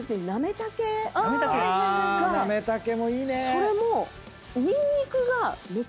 それも。